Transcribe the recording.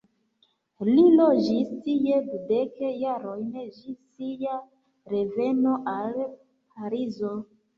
Li loĝis tie dudek jarojn ĝis sia reveno al Parizo.